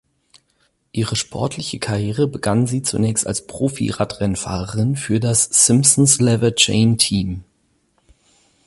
Ihre sportliche Karriere begann sie zunächst als Profi-Radrennfahrerin für das "Simpson Lever Chain Team".